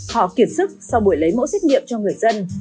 họ kiệt sức sau buổi lấy mẫu xét nghiệm cho người dân